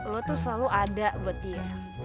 lo tuh selalu ada buat dia